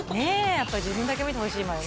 やっぱ自分だけ見てほしいもんね